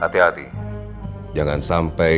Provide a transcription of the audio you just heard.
hati hati jangan sampai